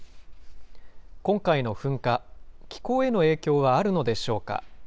今回の噴火、気候への影響はあるのでしょうか。